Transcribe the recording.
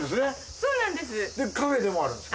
そうなんです。